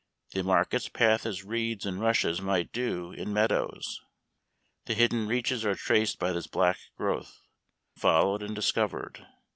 They mark its path as reeds and rushes might do in meadows. The hidden reaches are traced by this black growth, followed and discovered.